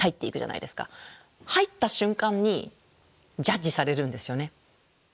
入った瞬間にジャッジされるんですよね。